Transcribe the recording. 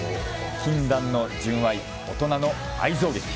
禁断の純愛、大人の愛憎劇